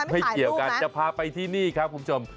ไม่เกี่ยวกันจะพาไปที่นี่ครับคุณผู้ชม